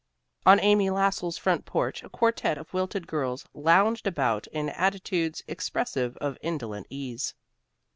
On Amy Lassell's front porch a quartet of wilted girls lounged about in attitudes expressive of indolent ease.